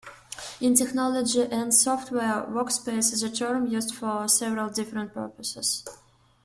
In technology and software, "workspace" is a term used for several different purposes.